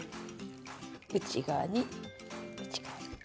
内側に内側に。